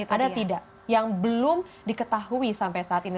ada tidak yang belum diketahui sampai saat ini